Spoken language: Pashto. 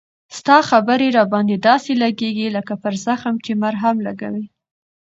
ستا خبري را باندي داسی لګیږي لکه پر زخم چې مرهم لګوې